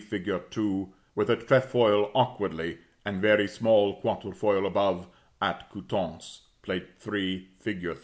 fig. 2); with a trefoil awkwardly, and very small quatrefoil above, at Coutances, (Plate III. fig.